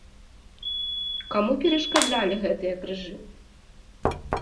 Каму перашкаджалі гэтыя крыжы?